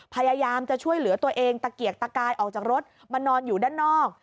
พยายามจะช่วยเหลือตัวเองตะเกียกตะกายออกจากรถมานอนอยู่ด้านนอก